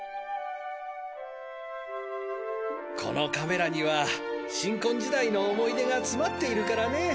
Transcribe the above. このカメラには新婚時代の思い出が詰まっているからね。